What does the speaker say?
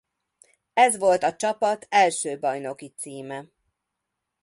Ez volt a csapat első bajnoki címe.